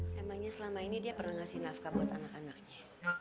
memangnya selama ini dia pernah ngasih nafkah buat anak anaknya